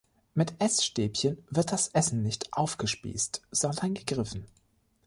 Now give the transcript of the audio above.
Mit Essstäbchen wird das Essen nicht aufgespießt, sondern gegriffen.